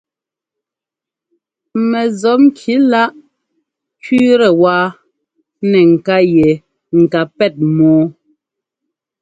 Mɛ zɔpŋki láꞌ kẅíitɛ wáa nɛ ŋká yɛ ŋ ká pɛ́t mɔ́ɔ.